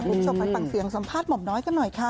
คุณผู้ชมไปฟังเสียงสัมภาษณ์หม่อมน้อยกันหน่อยค่ะ